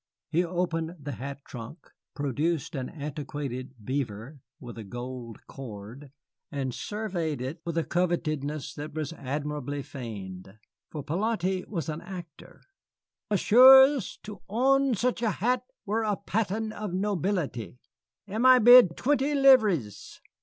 He opened the hat trunk, produced an antiquated beaver with a gold cord, and surveyed it with a covetousness that was admirably feigned. For 'Polyte was an actor. "M'ssieurs, to own such a hat were a patent of nobility. Am I bid twenty livres?"